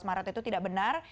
empat belas maret itu tidak benar